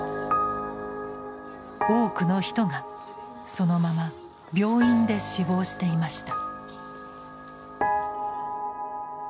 多くの人がそのまま病院で死亡していました。